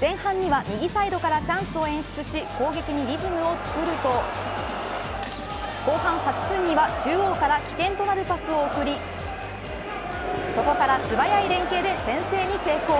前半には右サイドからチャンスを演出し攻撃にリズムをつくると後半８分には中央から起点となるパスを送りそこから素早い連係で先制に成功。